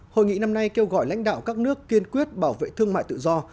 hội nghị năm nay kêu gọi lãnh đạo các nước kiên quyết bảo vệ thương mại tự do